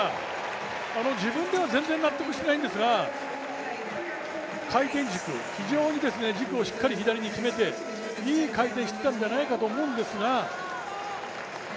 自分では全然納得していないんですが、回転軸、非常に軸をしっかり左に決めていい回転していたんじゃないかと思うんですが。